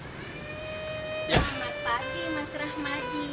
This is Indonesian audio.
mas pati mas rahmadi